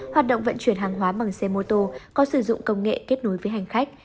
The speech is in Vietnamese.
hoạt động vận chuyển hàng hóa bằng xe mô tô có sử dụng công nghệ kết nối với hành khách